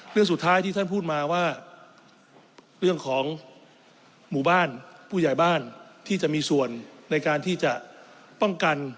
เรื่องสุดท้ายที่ท่านพูดมาว่าเรื่องของหมู่บ้านผู้ใหญ่บ้านที่จะมีส่วนในการที่จะป้องกัน